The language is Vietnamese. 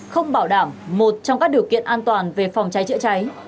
không bảo đảm một trong các điều kiện an toàn về phòng cháy chữa cháy